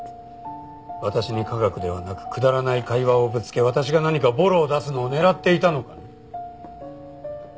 私に科学ではなくくだらない会話をぶつけ私が何かボロを出すのを狙っていたのかね？